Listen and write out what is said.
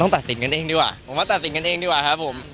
ตัดสินกันเองดีกว่าผมว่าตัดสินกันเองดีกว่าครับผม